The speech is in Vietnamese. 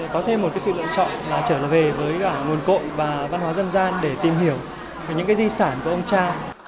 có thêm một sự lựa chọn là trở về với cả nguồn cội và văn hóa dân gian để tìm hiểu về những di sản của ông cha